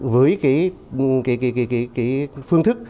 với cái phương thức